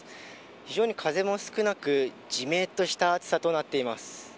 非常に風も少なくじめっとした暑さとなっています。